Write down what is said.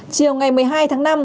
chiều ngày một mươi hai tháng năm